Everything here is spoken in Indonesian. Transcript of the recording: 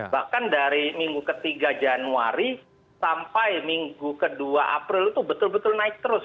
bahkan dari minggu ketiga januari sampai minggu ke dua april itu betul betul naik terus